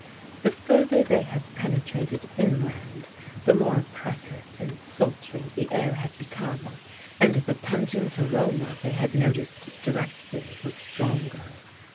The further they had penetrated inland the more oppressive and sultry the air had become; and the pungent aroma they had noticed directly was stronger.